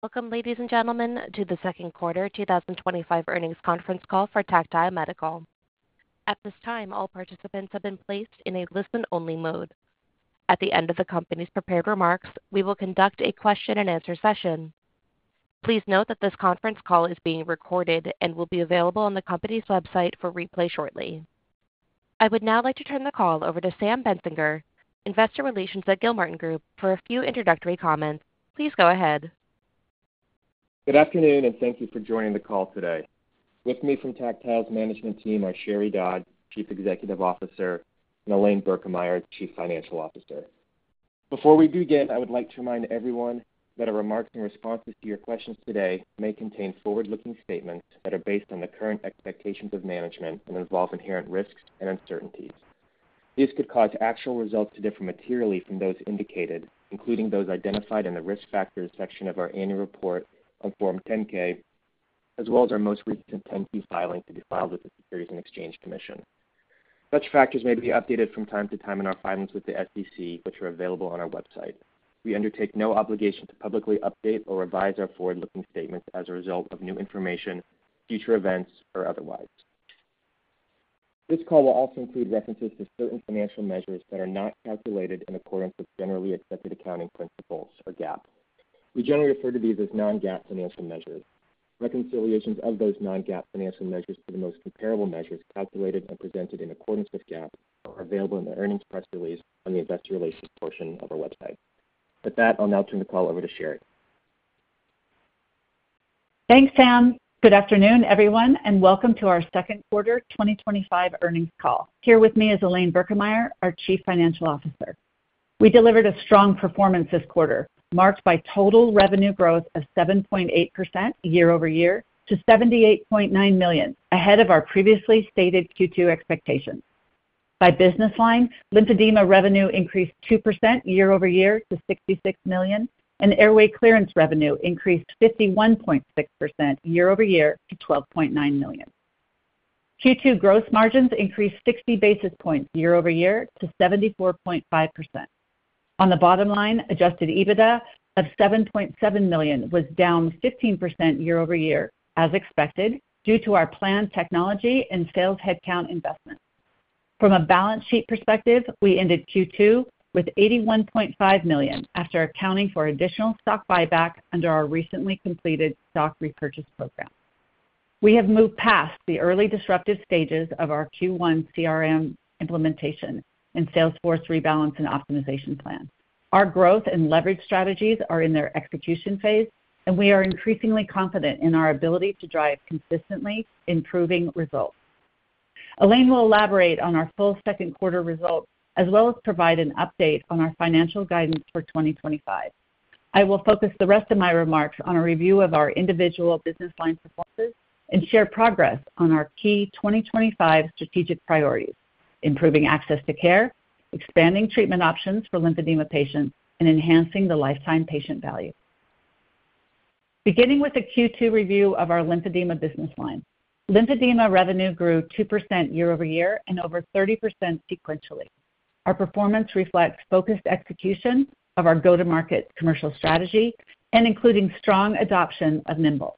Welcome, ladies and gentlemen, to the Second Quarter 2025 Earnings Conference Call for Tactile Medical. At this time, all participants have been placed in a listen-only mode. At the end of the company's prepared remarks, we will conduct a question-and-answer session. Please note that this conference call is being recorded and will be available on the company's website for replay shortly. I would now like to turn the call over to Sam Bentzinger, Investor Relations at Gilmartin Group, for a few introductory comments. Please go ahead. Good afternoon, and thank you for joining the call today. With me from Tactile's management team are Sheri Dodd, Chief Executive Officer, and Elaine Birkemeyer, Chief Financial Officer. Before we begin, I would like to remind everyone that our remarks and responses to your questions today may contain forward-looking statements that are based on the current expectations of management and involve inherent risks and uncertainties. These could cause actual results to differ materially from those indicated, including those identified in the risk factors section of our annual report on Form 10-K, as well as our most recent 10-K filings to be filed with the Securities and Exchange Commission. Such factors may be updated from time to time in our filings with the SEC, which are available on our website. We undertake no obligation to publicly update or revise our forward-looking statements as a result of new information, future events, or otherwise. This call will also include references to certain financial measures that are not calculated in accordance with generally accepted accounting principles or GAAP. We generally refer to these as non-GAAP financial measures. Reconciliations of those non-GAAP financial measures to the most comparable measures calculated and presented in accordance with GAAP are available in the earnings press release on the Investor Relations portion of our website. With that, I'll now turn the call over to Sheri. Thanks, Sam. Good afternoon, everyone, and welcome to our Second Quarter 2025 Earnings Call. Here with me is Elaine Birkemeyer, our Chief Financial Officer. We delivered a strong performance this quarter, marked by total revenue growth of 7.8% year-over-year to $78.9 million, ahead of our previously stated Q2 expectations. By business lines, lymphedema revenue increased 2% year-over-year to $66 million, and airway clearance revenue increased 51.6% year-over-year to $12.9 million. Q2 gross margins increased 60 basis points year-over-year to 74.5%. On the bottom line, adjusted EBITDA of $7.7 million was down 15% year-over-year, as expected, due to our planned technology and sales headcount investments. From a balance sheet perspective, we ended Q2 with $81.5 million after accounting for additional stock buyback under our recently completed stock repurchase program. We have moved past the early disruptive stages of our Q1 CRM implementation and Salesforce rebalance and optimization plan. Our growth and leverage strategies are in their execution phase, and we are increasingly confident in our ability to drive consistently improving results. Elaine will elaborate on our full second quarter results, as well as provide an update on our financial guidance for 2025. I will focus the rest of my remarks on a review of our individual business line performances and share progress on our key 2025 strategic priorities: improving access to care, expanding treatment options for lymphedema patients, and enhancing the lifetime patient value. Beginning with a Q2 review of our lymphedema business line, lymphedema revenue grew 2% year-over-year and over 30% sequentially. Our performance reflects focused execution of our go-to-market commercial strategy and including strong adoption of Nimbl.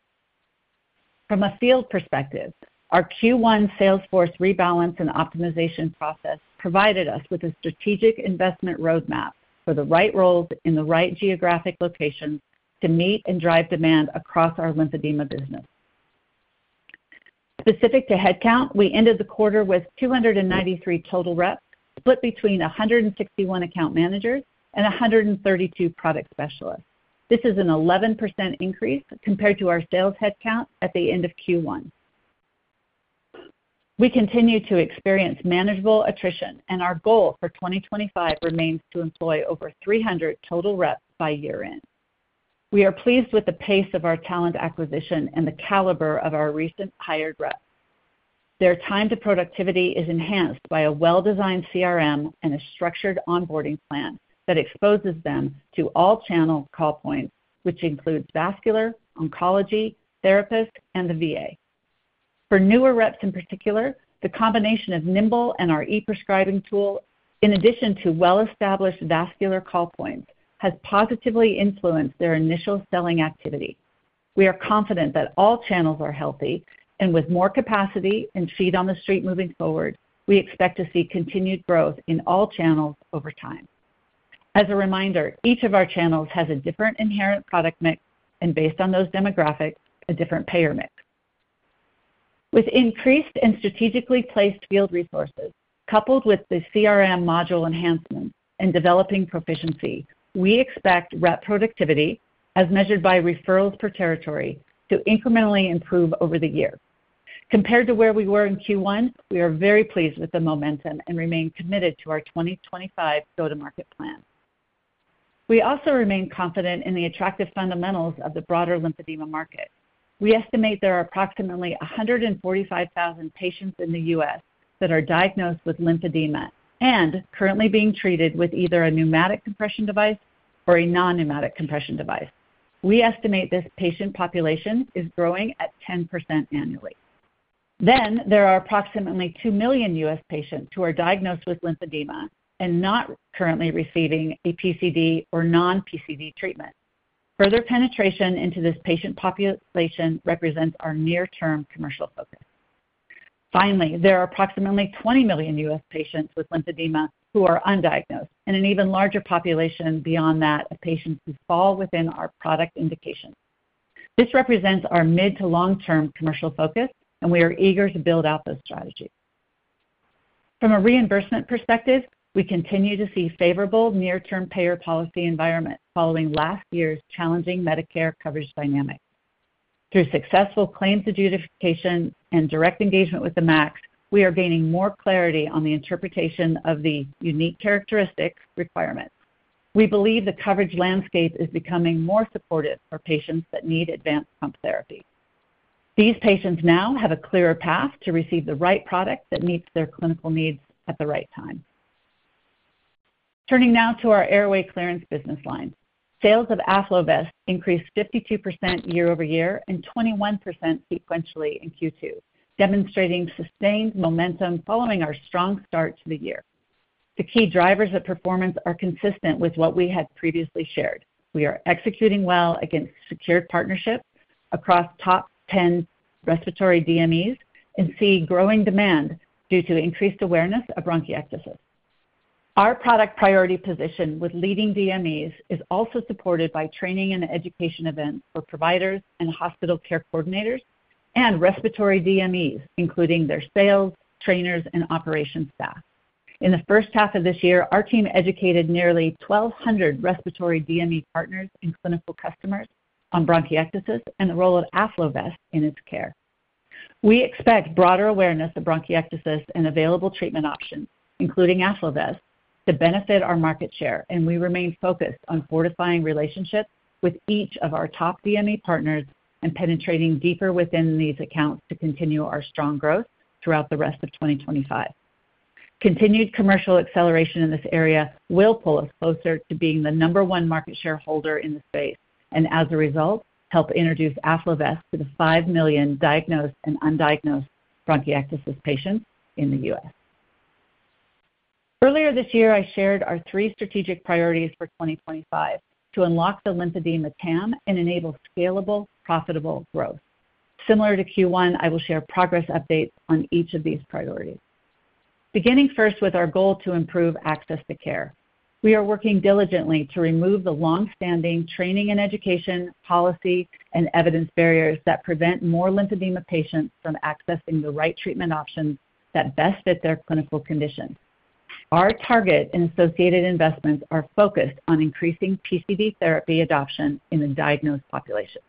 From a field perspective, our Q1 Salesforce rebalance and optimization process provided us with a strategic investment roadmap for the right roles in the right geographic location to meet and drive demand across our lymphedema business. Specific to headcount, we ended the quarter with 293 total reps, split between 161 account managers and 132 product specialists. This is an 11% increase compared to our sales headcount at the end of Q1. We continue to experience manageable attrition, and our goal for 2025 remains to employ over 300 total reps by year-end. We are pleased with the pace of our talent acquisition and the caliber of our recent hired reps. Their time to productivity is enhanced by a well-designed CRM and a structured onboarding plan that exposes them to all channel call points, which includes vascular, oncology, therapist, and the VA. For newer reps in particular, the combination of Nimbl and our e-prescribing tool, in addition to well-established vascular call points, has positively influenced their initial selling activity. We are confident that all channels are healthy, and with more capacity and feet on the street moving forward, we expect to see continued growth in all channels over time. As a reminder, each of our channels has a different inherent product mix, and based on those demographics, a different payer mix. With increased and strategically placed field resources, coupled with the CRM module enhancements and developing proficiency, we expect rep productivity, as measured by referrals per territory, to incrementally improve over the year. Compared to where we were in Q1, we are very pleased with the momentum and remain committed to our 2025 go-to-market plan. We also remain confident in the attractive fundamentals of the broader lymphedema market. We estimate there are approximately 145,000 patients in the U.S. that are diagnosed with lymphedema and currently being treated with either a pneumatic compression device or a non-pneumatic compression device. We estimate this patient population is growing at 10% annually. There are approximately 2 million U.S. patients who are diagnosed with lymphedema and not currently receiving a PCD or non-PCD treatment. Further penetration into this patient population represents our near-term commercial focus. Finally, there are approximately 20 million U.S. patients with lymphedema who are undiagnosed, and an even larger population beyond that of patients who fall within our product indication. This represents our mid to long-term commercial focus, and we are eager to build out those strategies. From a reimbursement perspective, we continue to see favorable near-term payer policy environment following last year's challenging Medicare coverage dynamics. Through successful claims adjudication and direct engagement with the Max, we are gaining more clarity on the interpretation of the unique characteristics requirements. We believe the coverage landscape is becoming more supportive for patients that need advanced pump therapy. These patients now have a clearer path to receive the right product that meets their clinical needs at the right time. Turning now to our airway clearance business line, sales of AffloVest increased 52% year-over-year and 21% sequentially in Q2, demonstrating sustained momentum following our strong start to the year. The key drivers of performance are consistent with what we had previously shared. We are executing well against secured partnerships across top 10 respiratory DMEs and see growing demand due to increased awareness of bronchiectasis. Our product priority position with leading DMEs is also supported by training and education events for providers and hospital care coordinators and respiratory DMEs, including their sales, trainers, and operations staff. In the first half of this year, our team educated nearly 1,200 respiratory DME partners and clinical customers on bronchiectasis and the role of AffloVest in its care. We expect broader awareness of bronchiectasis and available treatment options, including AffloVest, to benefit our market share, and we remain focused on fortifying relationships with each of our top DME partners and penetrating deeper within these accounts to continue our strong growth throughout the rest of 2025. Continued commercial acceleration in this area will pull us closer to being the number one market shareholder in the space and, as a result, help introduce AffloVest to the 5 million diagnosed and undiagnosed bronchiectasis patients in the U.S. Earlier this year, I shared our three strategic priorities for 2025 to unlock the lymphedema TAM and enable scalable, profitable growth. Similar to Q1, I will share progress updates on each of these priorities. Beginning first with our goal to improve access to care, we are working diligently to remove the longstanding training and education policy and evidence barriers that prevent more lymphedema patients from accessing the right treatment options that best fit their clinical condition. Our target and associated investments are focused on increasing PCD therapy adoption in the diagnosed population.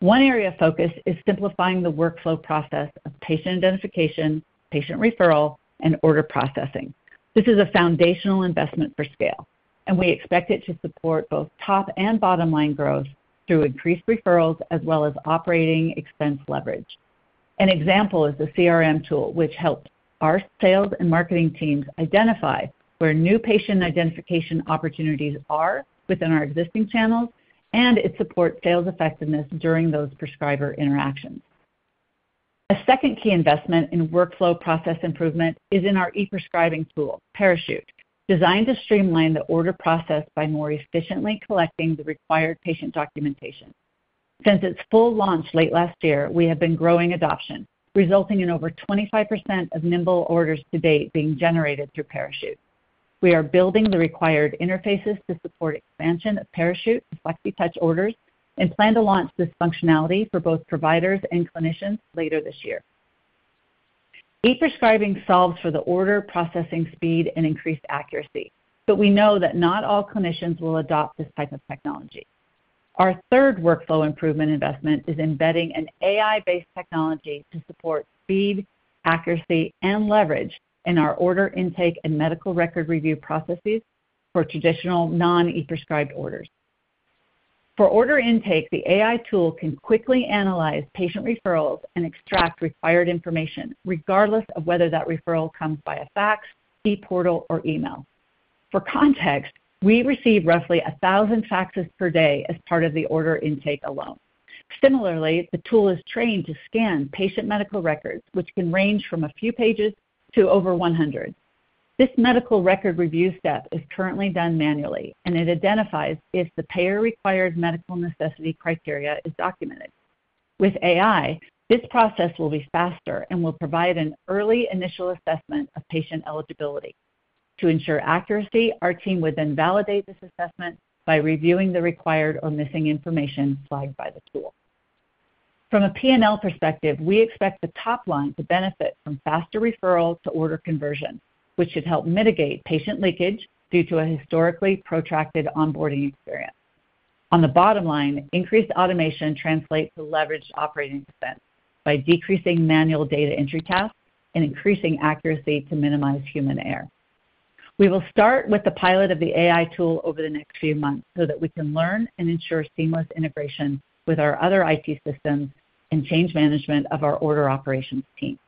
One area of focus is simplifying the workflow process of patient identification, patient referral, and order processing. This is a foundational investment for scale, and we expect it to support both top and bottom line growth through increased referrals as well as operating expense leverage. An example is the CRM tool, which helps our sales and marketing teams identify where new patient identification opportunities are within our existing channels and it supports sales effectiveness during those prescriber interactions. A second key investment in workflow process improvement is in our e-prescribing tool, Parachute, designed to streamline the order process by more efficiently collecting the required patient documentation. Since its full launch late last year, we have been growing adoption, resulting in over 25% of Nimbl orders to date being generated through Parachute. We are building the required interfaces to support expansion of Parachute to Flexitouch orders and plan to launch this functionality for both providers and clinicians later this year. E-prescribing solves for the order processing speed and increased accuracy, but we know that not all clinicians will adopt this type of technology. Our third workflow improvement investment is embedding an AI-based technology to support speed, accuracy, and leverage in our order intake and medical record review processes for traditional non-e-prescribed orders. For order intake, the AI tool can quickly analyze patient referrals and extract required information regardless of whether that referral comes via fax, e-portal, or email. For context, we receive roughly 1,000 faxes per day as part of the order intake alone. Similarly, the tool is trained to scan patient medical records, which can range from a few pages to over 100. This medical record review step is currently done manually, and it identifies if the payer-required medical necessity criteria is documented. With AI, this process will be faster and will provide an early initial assessment of patient eligibility. To ensure accuracy, our team would then validate this assessment by reviewing the required or missing information flagged by the tool. From a P&L perspective, we expect the top line to benefit from faster referral to order conversion, which should help mitigate patient leakage due to a historically protracted onboarding experience. On the bottom line, increased automation translates to leveraged operating expense by decreasing manual data entry tasks and increasing accuracy to minimize human error. We will start with the pilot of the AI tool over the next few months so that we can learn and ensure seamless integration with our other IT systems and change management of our order operations team.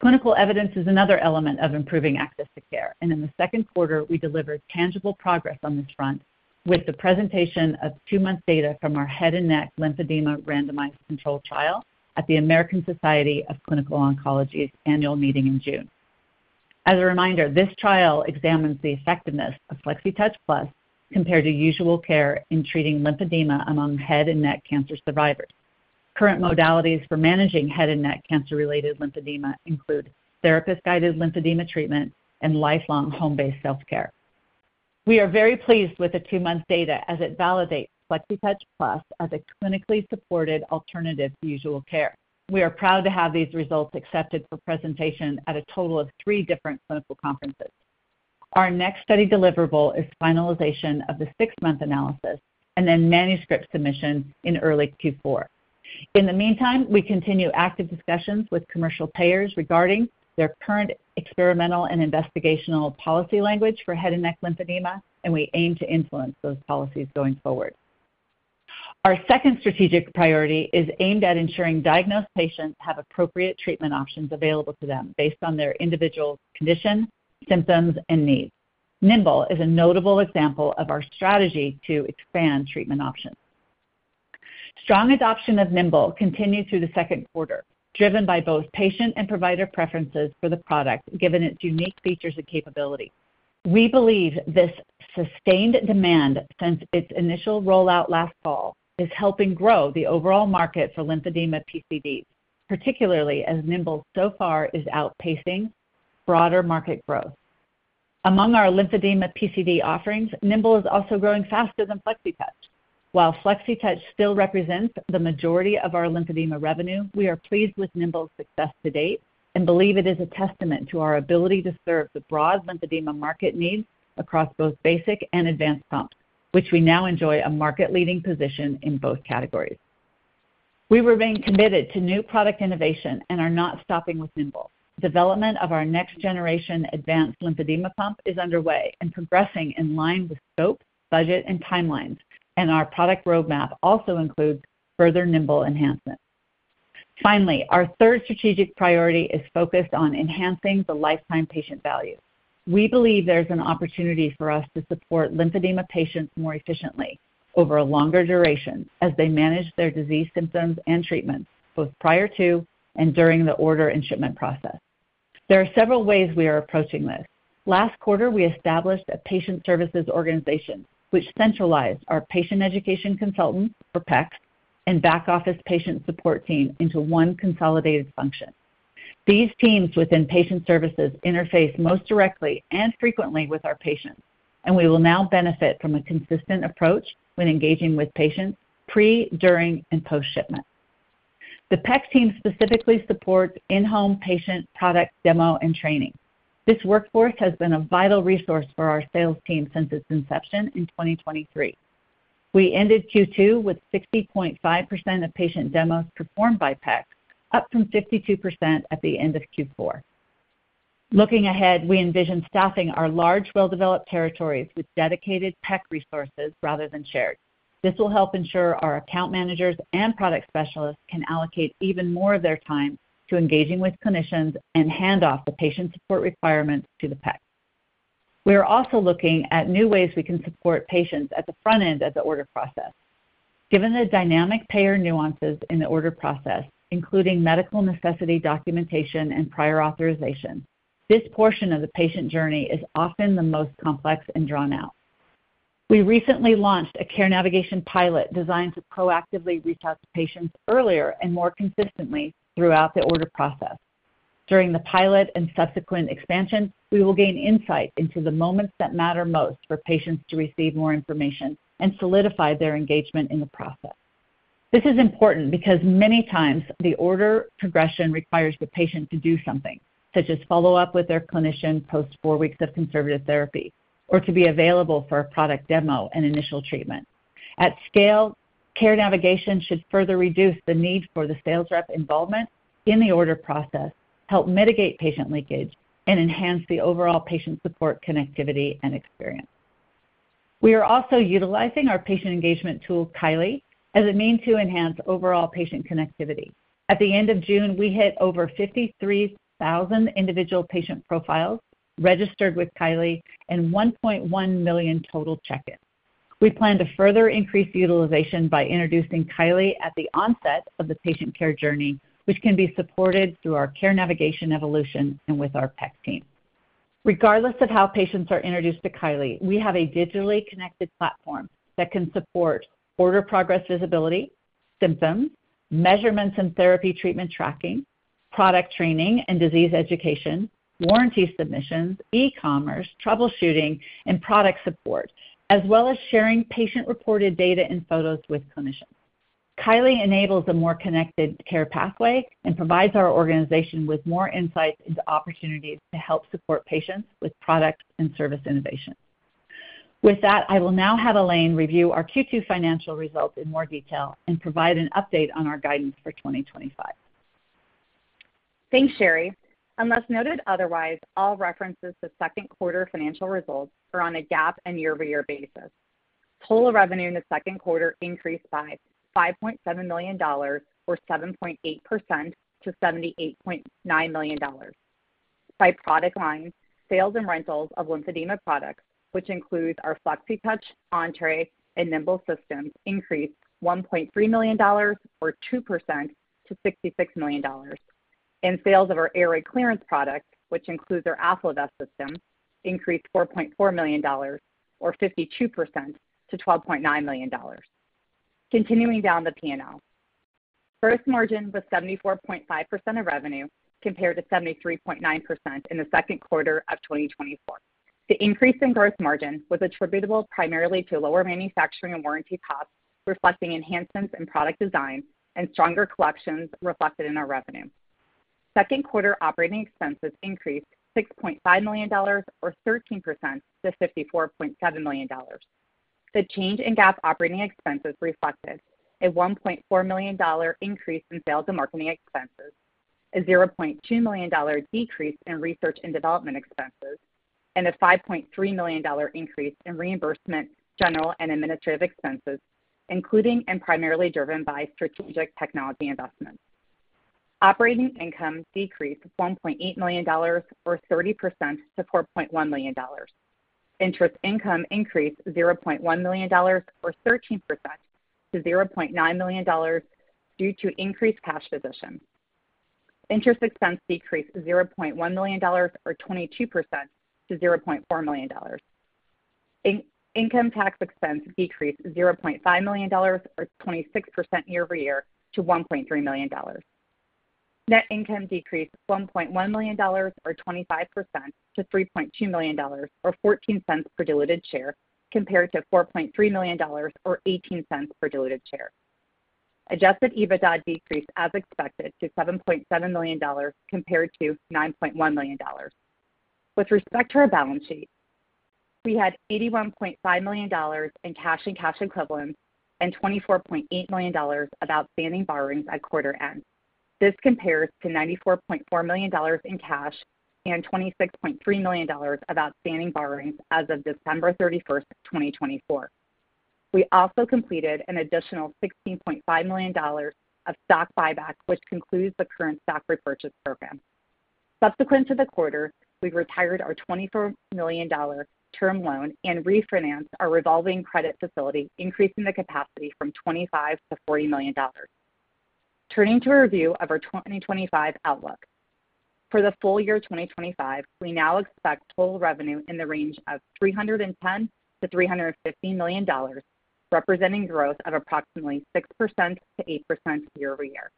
Clinical evidence is another element of improving access to care, and in the second quarter, we delivered tangible progress on this front with the presentation of two-month data from our head and neck lymphedema randomized control trial at the American Society of Clinical Oncology's annual meeting in June. As a reminder, this trial examines the effectiveness of Flexitouch Plus compared to usual care in treating lymphedema among head and neck cancer survivors. Current modalities for managing head and neck cancer-related lymphedema include therapist-guided lymphedema treatment and lifelong home-based self-care. We are very pleased with the two-month data as it validates Flexitouch Plus as a clinically supported alternative to usual care. We are proud to have these results accepted for presentation at a total of three different clinical conferences. Our next study deliverable is finalization of the six-month analysis and then manuscript submission in early Q4. In the meantime, we continue active discussions with commercial payers regarding their current experimental and investigational policy language for head and neck lymphedema, and we aim to influence those policies going forward. Our second strategic priority is aimed at ensuring diagnosed patients have appropriate treatment options available to them based on their individual condition, symptoms, and needs. Nimbl is a notable example of our strategy to expand treatment options. Strong adoption of Nimbl continued through the second quarter, driven by both patient and provider preferences for the product given its unique features and capability. We believe this sustained demand since its initial rollout last fall is helping grow the overall market for lymphedema PCDs, particularly as Nimbl so far is outpacing broader market growth. Among our lymphedema PCD offerings, Nimbl is also growing faster than Flexitouch. While Flexitouch still represents the majority of our lymphedema revenue, we are pleased with Nimbl's success to date and believe it is a testament to our ability to serve the broad lymphedema market needs across both basic and advanced pumps, which we now enjoy a market-leading position in both categories. We remain committed to new product innovation and are not stopping with Nimbl. Development of our next-generation advanced lymphedema pump is underway and progressing in line with scope, budget, and timelines, and our product roadmap also includes further Nimbl enhancements. Finally, our third strategic priority is focused on enhancing the lifetime patient value. We believe there's an opportunity for us to support lymphedema patients more efficiently over a longer duration as they manage their disease symptoms and treatments both prior to and during the order and shipment process. There are several ways we are approaching this. Last quarter, we established a patient services organization, which centralized our Patient Education Consultants, or PECs, and back-office patient support team into one consolidated function. These teams within patient services interface most directly and frequently with our patients, and we will now benefit from a consistent approach when engaging with patients pre, during, and post-shipment. The PECs team specifically supports in-home patient product demo and training. This workforce has been a vital resource for our sales team since its inception in 2023. We ended Q2 with 60.5% of patient demos performed by PECs, up from 52% at the end of Q4. Looking ahead, we envision staffing our large, well-developed territories with dedicated PEC resources rather than shared. This will help ensure our account managers and product specialists can allocate even more of their time to engaging with clinicians and hand off the patient support requirements to the PECs. We are also looking at new ways we can support patients at the front end of the order process. Given the dynamic payer nuances in the order process, including medical necessity documentation and prior authorization, this portion of the patient journey is often the most complex and drawn out. We recently launched a care navigation pilot designed to proactively reach out to patients earlier and more consistently throughout the order process. During the pilot and subsequent expansion, we will gain insight into the moments that matter most for patients to receive more information and solidify their engagement in the process. This is important because many times the order progression requires the patient to do something, such as follow up with their clinician post four weeks of conservative therapy or to be available for a product demo and initial treatment. At scale, care navigation should further reduce the need for the sales rep involvement in the order process, help mitigate patient leakage, and enhance the overall patient support connectivity and experience. We are also utilizing our patient engagement tool, Kylee, as a means to enhance overall patient connectivity. At the end of June, we hit over 53,000 individual patient profiles registered with Kylee and 1.1 million total check-ins. We plan to further increase utilization by introducing Kylee at the onset of the patient care journey, which can be supported through our care navigation evolution and with our PECs team. Regardless of how patients are introduced to Kylee, we have a digitally connected platform that can support order progress visibility, symptoms, measurements and therapy treatment tracking, product training and disease education, warranty submissions, e-commerce, troubleshooting, and product support, as well as sharing patient-reported data and photos with clinicians. Kylee enables a more connected care pathway and provides our organization with more insights into opportunities to help support patients with product and service innovation. With that, I will now have Elaine review our Q2 financial results in more detail and provide an update on our guidance for 2025. Thanks, Sheri. Unless noted otherwise, all references to second quarter financial results are on a GAAP and year-over-year basis. Total revenue in the second quarter increased by $5.7 million, or 7.8%, to $78.9 million. By product lines, sales and rentals of lymphedema products, which includes our Flexitouch, Entre, and Nimbl systems, increased $1.3 million, or 2%, to $66 million, and sales of our airway clearance products, which includes our AffloVest system, increased $4.4 million, or 52%, to $12.9 million. Continuing down the P&L, gross margin was 74.5% of revenue compared to 73.9% in the second quarter of 2024. The increase in gross margin was attributable primarily to lower manufacturing and warranty costs, reflecting enhancements in product design and stronger collections reflected in our revenue. Second quarter operating expenses increased $6.5 million, or 13%, to $54.7 million. The change in GAAP operating expenses reflected a $1.4 million increase in sales and marketing expenses, a $0.2 million decrease in research and development expenses, and a $5.3 million increase in reimbursement, general, and administrative expenses, including and primarily driven by strategic technology investments. Operating income decreased $1.8 million, or 30%, to $4.1 million. Interest income increased $0.1 million, or 13%, to $0.9 million due to increased cash position. Interest expense decreased $0.1 million, or 22%, to $0.4 million. Income tax expense decreased $0.5 million, or 26% year-over-year, to $1.3 million. Net income decreased $1.1 million, or 25%, to $3.2 million, or $0.14 per diluted share, compared to $4.3 million, or $0.18 per diluted share. Adjusted EBITDA decreased as expected to $7.7 million compared to $9.1 million. With respect to our balance sheet, we had $81.5 million in cash and cash equivalents and $24.8 million of outstanding borrowings at quarter end. This compares to $94.4 million in cash and $26.3 million of outstanding borrowings as of December 31st, 2024. We also completed an additional $16.5 million of stock buyback, which concludes the current stock repurchase program. Subsequent to the quarter, we retired our $24 million term loan and refinanced our revolving credit facility, increasing the capacity from $25 million-$40 million. Turning to a review of our 2025 outlook. For the full year 2025, we now expect total revenue in the range of $310 million-$350 million, representing growth of approximately 6%-8% year-over-year.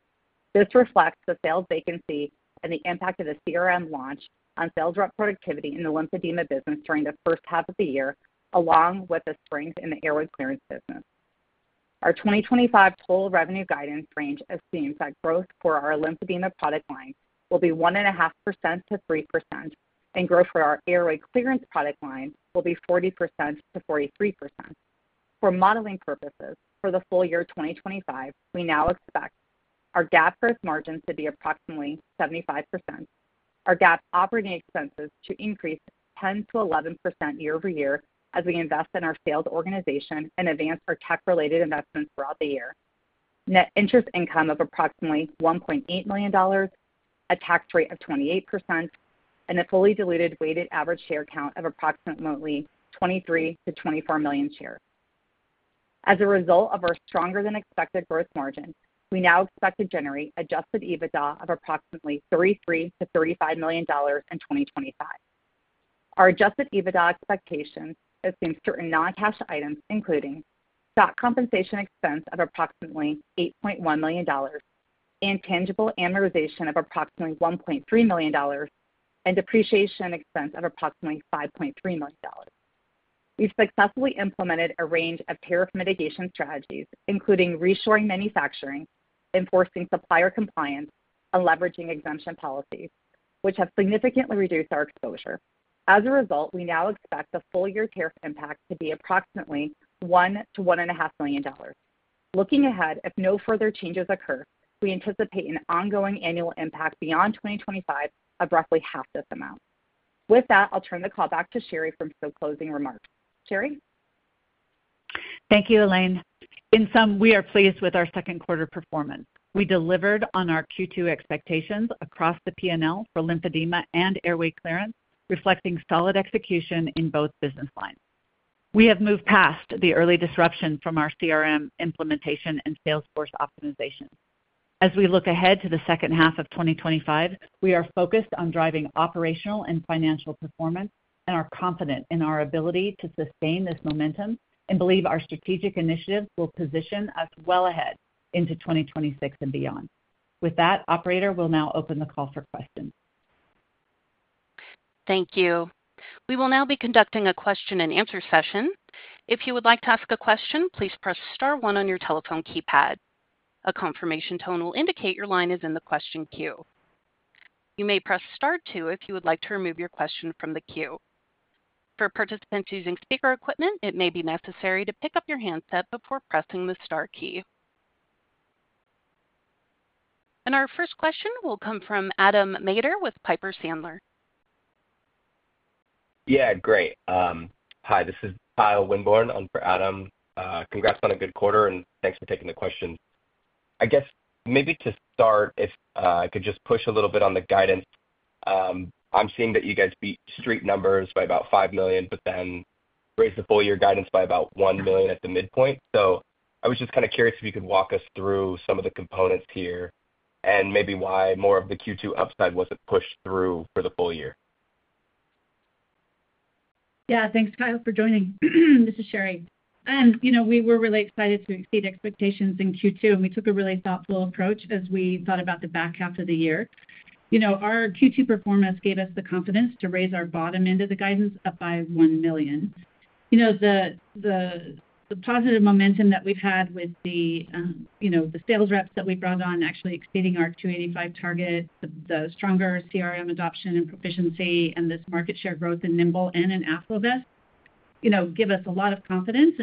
This reflects the sales vacancy and the impact of the CRM launch on sales rep productivity in the lymphedema business during the first half of the year, along with the springs in the airway clearance business. Our 2025 total revenue guidance range assumes that growth for our lymphedema product line will be 1.5%-3%, and growth for our airway clearance product line will be 40%-43%. For modeling purposes, for the full year 2025, we now expect our GAAP gross margins to be approximately 75%. Our GAAP operating expenses to increase 10%-11% year-over-year as we invest in our sales organization and advance our tech-related investments throughout the year. Net interest income of approximately $1.8 million, a tax rate of 28%, and a fully diluted weighted average share count of approximately 23 million-24 million shares. As a result of our stronger than expected gross margin, we now expect to generate adjusted EBITDA of approximately $33 million-$35 million in 2025. Our adjusted EBITDA expectations assume certain non-cash items, including stock compensation expense of approximately $8.1 million and tangible amortization of approximately $1.3 million and depreciation expense of approximately $5.3 million. We successfully implemented a range of tariff mitigation strategies, including re-shoring manufacturing, enforcing supplier compliance, and leveraging exemption policies, which have significantly reduced our exposure. As a result, we now expect the full year tariff impact to be approximately $1 million-$1.5 million. Looking ahead, if no further changes occur, we anticipate an ongoing annual impact beyond 2025 of roughly half this amount. With that, I'll turn the call back to Sheri for some closing remarks. Sheri. Thank you, Elaine. In sum, we are pleased with our second quarter performance. We delivered on our Q2 expectations across the P&L for lymphedema and airway clearance, reflecting solid execution in both business lines. We have moved past the early disruption from our CRM implementation and Salesforce optimization. As we look ahead to the second half of 2025, we are focused on driving operational and financial performance and are confident in our ability to sustain this momentum and believe our strategic initiatives will position us well ahead into 2026 and beyond. With that, operator, we'll now open the call for questions. Thank you. We will now be conducting a question and answer session. If you would like to ask a question, please press star one on your telephone keypad. A confirmation tone will indicate your line is in the question queue. You may press star two if you would like to remove your question from the queue. For participants using speaker equipment, it may be necessary to pick up your handset before pressing the star key. Our first question will come from Adam Maeder with Piper Sandler. Yeah, great. Hi, this is Kyle Winborne. I'm for Adam. Congrats on a good quarter and thanks for taking the question. I guess maybe to start, if I could just push a little bit on the guidance. I'm seeing that you guys beat street numbers by about $5 million, but then raised the full year guidance by about $1 million at the midpoint. I was just kind of curious if you could walk us through some of the components here and maybe why more of the Q2 upside wasn't pushed through for the full year. Yeah, thanks, Kyle, for joining. This is Sheri. We were really excited to exceed expectations in Q2, and we took a really thoughtful approach as we thought about the back half of the year. Our Q2 performance gave us the confidence to raise our bottom end of the guidance up by $1 million. The positive momentum that we've had with the sales reps that we brought on actually exceeding our 285 target, the stronger CRM adoption and proficiency, and this market share growth in Nimbl and in AffloVest give us a lot of confidence.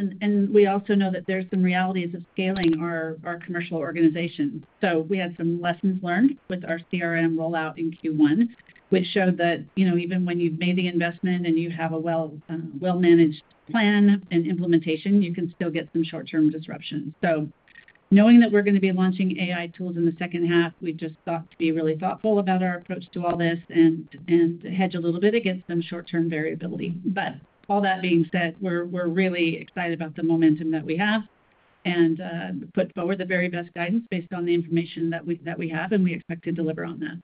We also know that there's some realities of scaling our commercial organization. We had some lessons learned with our CRM rollout in Q1, which showed that even when you've made the investment and you have a well-managed plan and implementation, you can still get some short-term disruption. Knowing that we're going to be launching AI tools in the second half, we just thought to be really thoughtful about our approach to all this and hedge a little bit against some short-term variability. All that being said, we're really excited about the momentum that we have and put forward the very best guidance based on the information that we have, and we expect to deliver on that.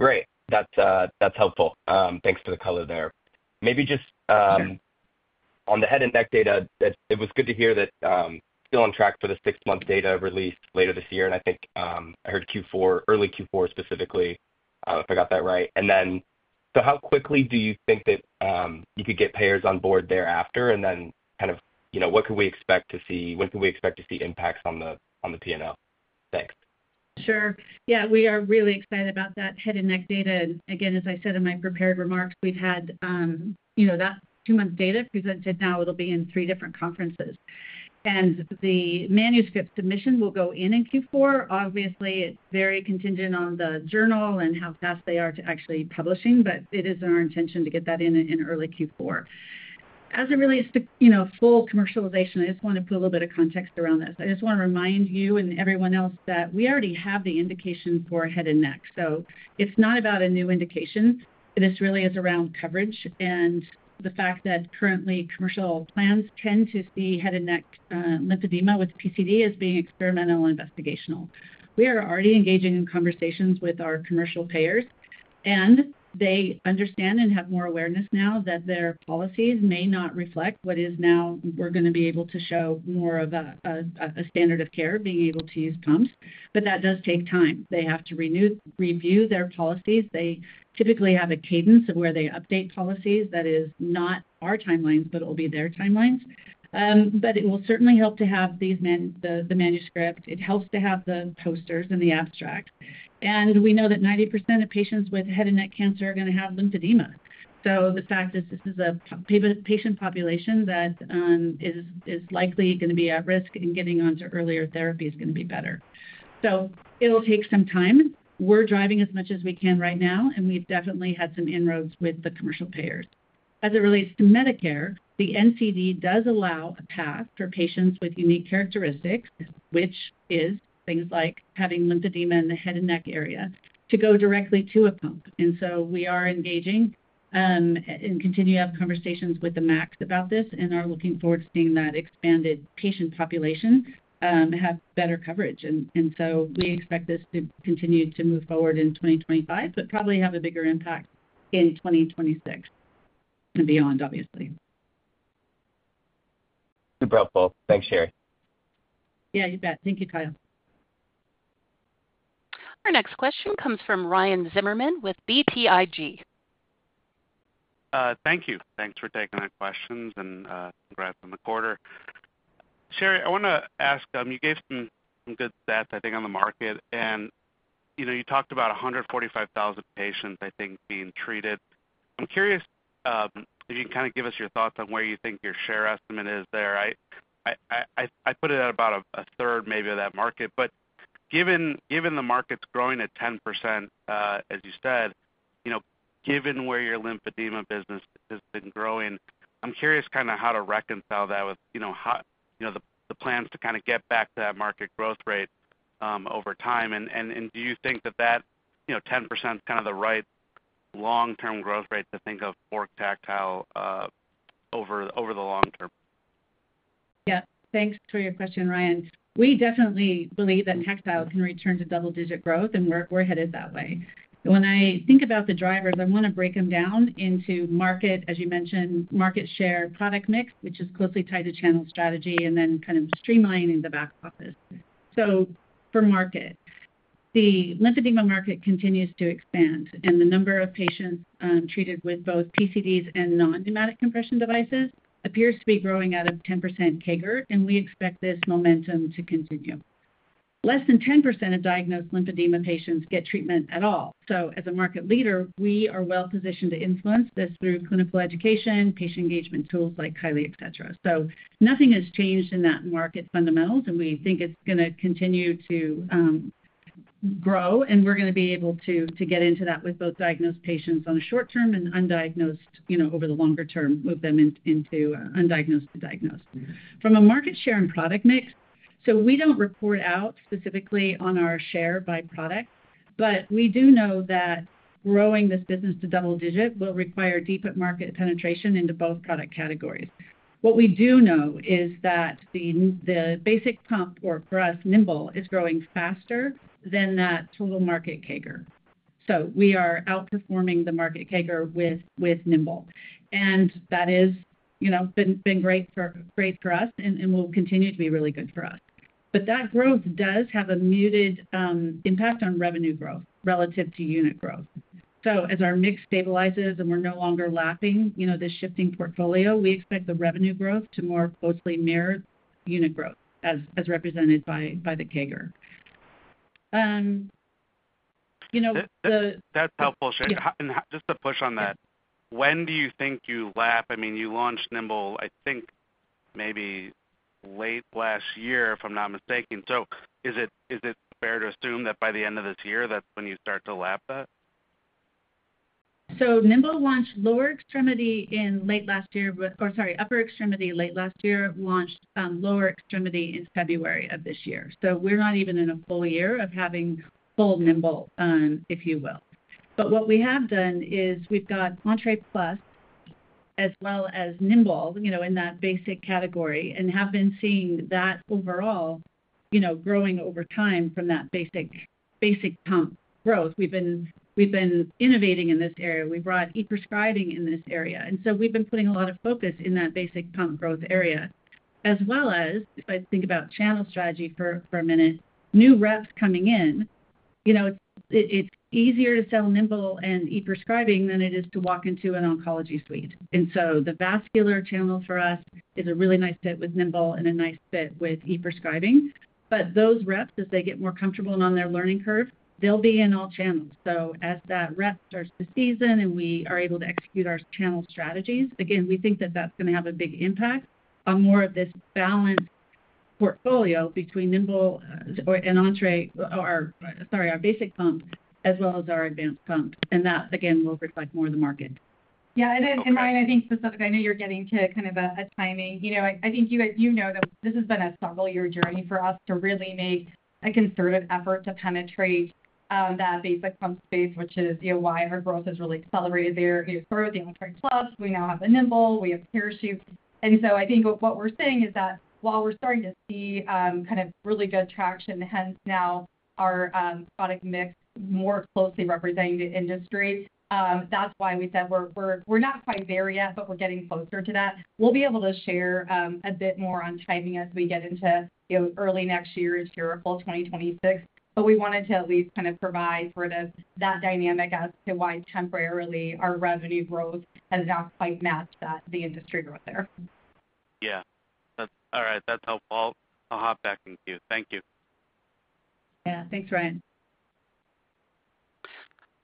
Great. That's helpful. Thanks for the color there. Maybe just on the head and neck data, it was good to hear that still on track for the six-month data release later this year. I think I heard Q4, early Q4 specifically, if I got that right. How quickly do you think that you could get payers on board thereafter? What could we expect to see? When could we expect to see impacts on the P&L? Thanks. Sure. Yeah, we are really excited about that head and neck data. As I said in my prepared remarks, we've had that two-month data because, as I said, now it'll be in three different conferences. The manuscript submission will go in in Q4. Obviously, it's very contingent on the journal and how fast they are to actually publishing, but it is our intention to get that in in early Q4. As it relates to full commercialization, I just want to put a little bit of context around that. I just want to remind you and everyone else that we already have the indication for head and neck. It's not about a new indication. This really is around coverage and the fact that currently commercial plans tend to see head and neck lymphedema with PCD as being experimental and investigational. We are already engaging in conversations with our commercial payers, and they understand and have more awareness now that their policies may not reflect what is now. We're going to be able to show more of a standard of care being able to use pumps, but that does take time. They have to review their policies. They typically have a cadence of where they update policies that is not our timelines, it will be their timelines. It will certainly help to have the manuscript. It helps to have the posters and the abstract. We know that 90% of patients with head and neck cancer are going to have lymphedema. The fact that this is a patient population that is likely going to be at risk in getting onto earlier therapy is going to be better. It'll take some time. We're driving as much as we can right now, and we've definitely had some inroads with the commercial payers. As it relates to Medicare, the NCD does allow a path for patients with unique characteristics, which is things like having lymphedema in the head and neck area, to go directly to a pump. We are engaging and continue to have conversations with the Max about this and are looking forward to seeing that expanded patient population have better coverage. We expect this to continue to move forward in 2025, but probably have a bigger impact in 2026 and beyond, obviously. It's a broad goal. Thanks, Sheri. Yeah, you bet. Thank you, Kylee. Our next question comes from Ryan Zimmerman with BTIG. Thank you. Thanks for taking the questions and congrats on the quarter. Sheri, I want to ask, you gave some good stats, I think, on the market. You talked about 145,000 patients, I think, being treated. I'm curious if you can kind of give us your thoughts on where you think your share estimate is there. I put it at about 1/3, maybe, of that market. Given the market's growing at 10%, as you said, given where your lymphedema business has been growing, I'm curious kind of how to reconcile that with the plans to kind of get back to that market growth rate over time. Do you think that 10% is kind of the right long-term growth rate to think of for Tactile over the long term? Yeah, thanks for your question, Ryan. We definitely believe that Tactile can return to double-digit growth, and we're headed that way. When I think about the drivers, I want to break them down into market, as you mentioned, market share, product mix, which is closely tied to channel strategy, and then kind of streamlining the back office. For market, the lymphedema market continues to expand, and the number of patients treated with both PCDs and non-pneumatic compression devices appears to be growing at a 10% CAGR, and we expect this momentum to continue. Less than 10% of diagnosed lymphedema patients get treatment at all. As a market leader, we are well positioned to influence this through clinical education, patient engagement tools like Kylee, et cetera. Nothing has changed in those market fundamentals, and we think it's going to continue to grow, and we're going to be able to get into that with both diagnosed patients in the short term and undiagnosed, you know, over the longer term, move them from undiagnosed to diagnosed. From a market share and product mix perspective, we don't report out specifically on our share by product, but we do know that growing this business to double-digit will require deeper market penetration into both product categories. What we do know is that the basic pump, or for us, Nimbl, is growing faster than that total market CAGR. We are outperforming the market CAGR with Nimbl, and that has been great for us and will continue to be really good for us. That growth does have a muted impact on revenue growth relative to unit growth. As our mix stabilizes and we're no longer lapping this shifting portfolio, we expect the revenue growth to more closely mirror unit growth as represented by the CAGR. That's helpful, Sheri. Just to push on that, when do you think you lap? I mean, you launched Nimbl, I think, maybe late last year, if I'm not mistaken. Is it fair to assume that by the end of this year, that's when you start to lap that? Nimbl launched upper extremity late last year, launched lower extremity in February of this year. We're not even in a full year of having full Nimbl, if you will. What we have done is we've got Entre Plus as well as Nimbl in that basic category and have been seeing that overall growing over time from that basic pump growth. We've been innovating in this area. We brought e-prescribing in this area, and we've been putting a lot of focus in that basic pump growth area. If I think about channel strategy for a minute, new reps coming in, it's easier to sell Nimbl and e-prescribing than it is to walk into an oncology suite. The vascular channel for us is a really nice fit with Nimbl and a nice fit with e-prescribing. Those reps, as they get more comfortable and on their learning curve, they'll be in all channels. As that rep starts to season and we are able to execute our channel strategies, we think that that's going to have a big impact on more of this balanced portfolio between Nimbl and Entre, or our basic pump, as well as our advanced pump. That, again, will reflect more of the market. Yeah, and Ryan, I think specifically, I know you're getting to kind of a timing. I think you know that this has been a several-year journey for us to really make a concerted effort to penetrate that basic pump space, which is why our growth has really accelerated there. Started the Entre Plus. We now have the Nimbl. We have Parachute. I think what we're seeing is that while we're starting to see kind of really good traction, hence now our product mix more closely representing the industry, that's why we said we're not quite there yet, but we're getting closer to that. We'll be able to share a bit more on timing as we get into early next year and here at full 2026. We wanted to at least kind of provide sort of that dynamic as to why temporarily our revenue growth has not quite matched the industry growth there. Yeah, that's all right. That's helpful. I'll hop back in queue. Thank you. Yeah, thanks, Ryan.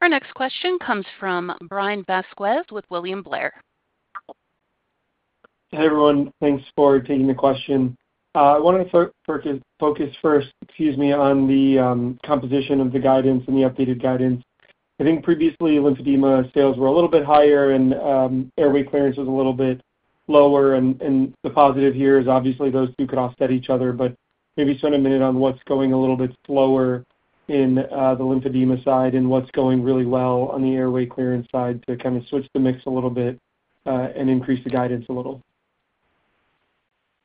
Our next question comes from Brian Vasquez with William Blair. Hey, everyone. Thanks for taking the question. I wanted to focus first, excuse me, on the composition of the guidance and the updated guidance. I think previously lymphedema sales were a little bit higher and airway clearance was a little bit lower. The positive here is obviously those two could offset each other, but maybe spend a minute on what's going a little bit slower in the lymphedema side and what's going really well on the airway clearance side to kind of switch the mix a little bit and increase the guidance a little.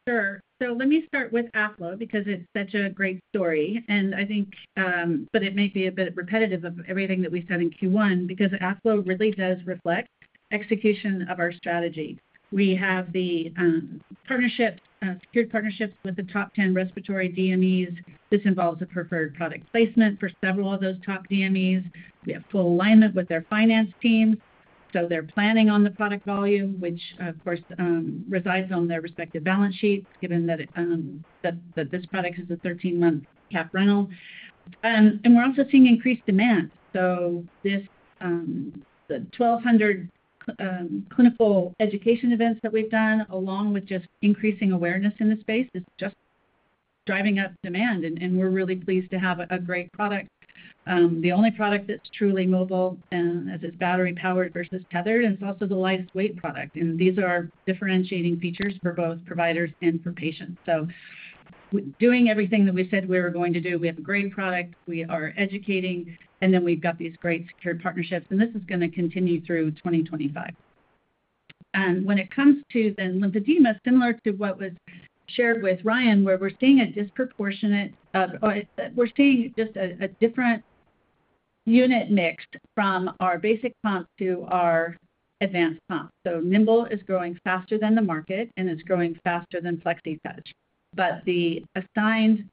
Sure. Let me start with AffloVest because it's such a great story. I think it may be a bit repetitive of everything that we said in Q1 because AffloVest really does reflect execution of our strategy. We have secured partnerships with the top 10 respiratory DMEs. This involves a preferred product placement for several of those top DMEs. We have full alignment with their finance team, so they're planning on the product volume, which, of course, resides on their respective balance sheets, given that this product is a 13-month cap rental. We're also seeing increased demand. The 1,200 clinical education events that we've done, along with just increasing awareness in the space, is just driving up demand. We're really pleased to have a great product. It's the only product that's truly mobile and as it's battery-powered versus tethered, and it's also the lightest weight product. These are our differentiating features for both providers and for patients. Doing everything that we said we were going to do, we have a great product, we are educating, and we've got these great secured partnerships. This is going to continue through 2025. When it comes to lymphedema, similar to what was shared with Ryan, we're seeing a disproportionate, we're seeing just a different unit mix from our basic pump to our advanced pump. Nimbl is growing faster than the market and is growing faster than Flexitouch. The assigned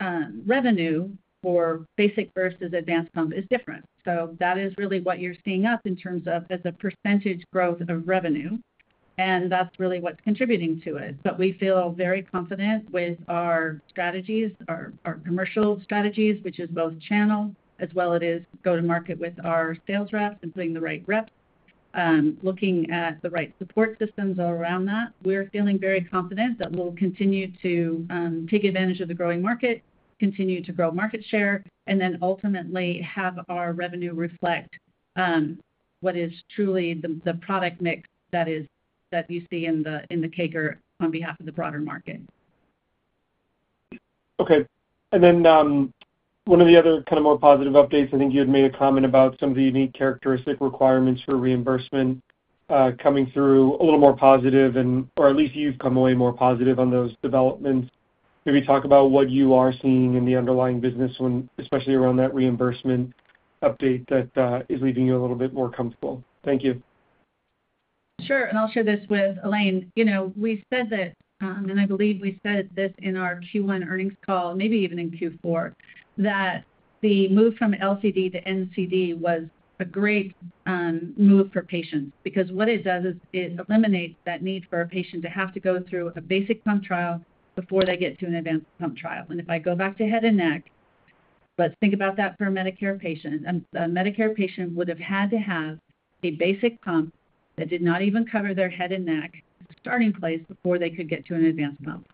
revenue for basic versus advanced pump is different, so that is really what you're seeing in terms of as a percentage growth of revenue. That's really what's contributing to it. We feel very confident with our strategies, our commercial strategies, which is both channel as well as go to market with our sales reps and putting the right reps, looking at the right support systems all around that. We're feeling very confident that we'll continue to take advantage of the growing market, continue to grow market share, and ultimately have our revenue reflect what is truly the product mix that you see in the CAGR on behalf of the broader market. Okay. One of the other kind of more positive updates, I think you had made a comment about some of the unique characteristic requirements for reimbursement coming through a little more positive, or at least you've come away more positive on those developments. Maybe talk about what you are seeing in the underlying business, especially around that reimbursement update that is leaving you a little bit more comfortable. Thank you. Sure. I'll share this with Elaine. We said that, and I believe we said this in our Q1 earnings call, maybe even in Q4, that the move from LCD to NCD was a great move for patients because it eliminates that need for a patient to have to go through a basic pump trial before they get to an advanced pump trial. If I go back to head and neck, let's think about that for a Medicare patient. A Medicare patient would have had to have a basic pump that did not even cover their head and neck starting place before they could get to an advanced pump.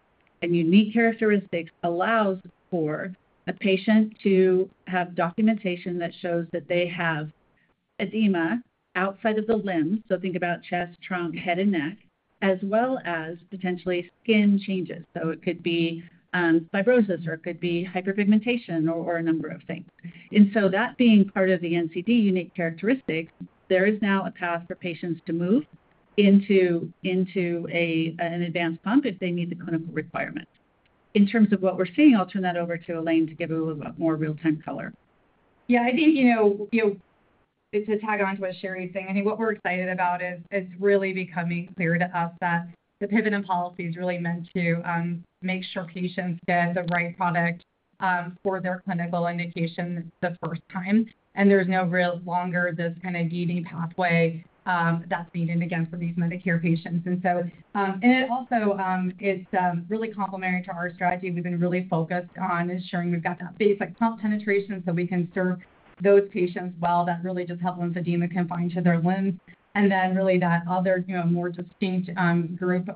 Unique characteristics allow for a patient to have documentation that shows that they have edema outside of the limb. Think about chest, trunk, head, and neck, as well as potentially skin changes. It could be fibrosis, or it could be hyperpigmentation, or a number of things. That being part of the NCD unique characteristics, there is now a path for patients to move into an advanced pump if they meet the clinical requirements. In terms of what we're seeing, I'll turn that over to Elaine to give a little bit more real-time color. I think, you know, to tag on to what Sheri is saying, what we're excited about is it's really becoming clear to us that the pivot in policy is really meant to make sure patients get the right product for their clinical indication the first time. There's no real longer this kind of deviating pathway that's needed for these Medicare patients. It also is really complementary to our strategy. We've been really focused on ensuring we've got that basic pump penetration so we can serve those patients well that really just have lymphedema confined to their limbs. Then really that other, more distinct group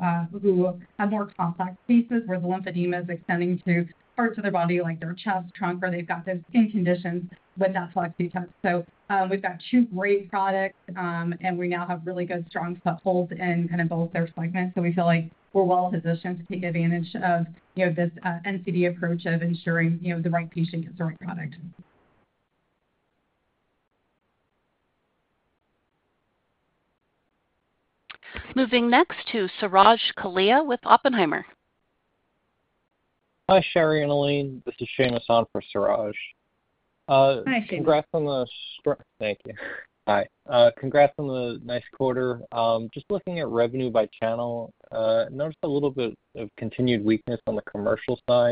who have more complex cases where the lymphedema is extending to parts of their body, like their chest, trunk, or they've got those skin conditions with that Flexitouch. We've got two great products, and we now have really good strong footholds in both their segments. We feel like we're well positioned to take advantage of this NCD approach of ensuring the right patient gets the right product. Moving next to Suraj Kalia with Oppenheimer. Hi, Sheri and Elaine. This is Jason Saad for Suraj. Hi, Jason. Congrats on the, thank you. Hi. Congrats on the nice quarter. Just looking at revenue by channel, noticed a little bit of continued weakness on the commercial side.